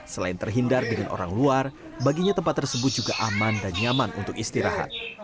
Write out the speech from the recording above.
selain terhindar dengan orang luar baginya tempat tersebut juga aman dan nyaman untuk istirahat